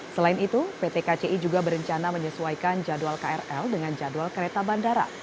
selain itu pt kci juga berencana menyesuaikan jadwal krl dengan jadwal kereta bandara